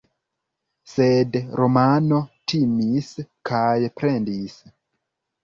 Sed Romano timis kaj plendis.